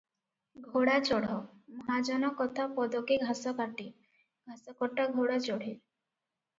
ଘୋଡ଼ାଚଢ଼; ମହାଜନ କଥା ପଦକେ ଘାସ କାଟେ-ଘାସକଟା ଘୋଡ଼ା ଚଢ଼େ ।